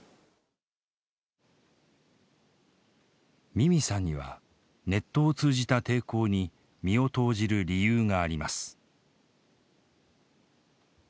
ミミさんにはネットを通じた抵抗に身を投じる理由があります。